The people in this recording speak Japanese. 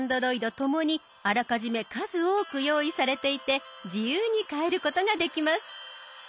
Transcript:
ともにあらかじめ数多く用意されていて自由に変えることができます。